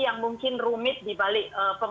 yang mungkin rumit dibalik